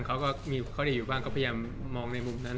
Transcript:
เขาก็มีเขาได้อยู่บ้างก็พยายามมองในมุมนั้น